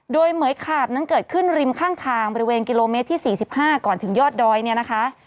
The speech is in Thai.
โดยเหมือยขาบนั้นเกิดขึ้นริมข้างทางบริเวณกิโลเมตรที่๔๕ก่อนถึงยอดดอยเนี่ยนะคะ